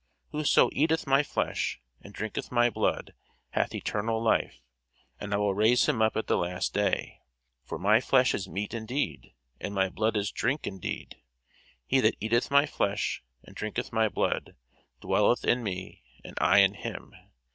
Whoso eateth my flesh, and drinketh my blood, hath eternal life; and I will raise him up at the last day. For my flesh is meat indeed, and my blood is drink indeed. He that eateth my flesh, and drinketh my blood, dwelleth in me, and I in him.